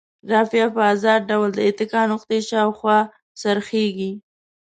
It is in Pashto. رافعه په ازاد ډول د اتکا نقطې شاوخوا څرخیږي.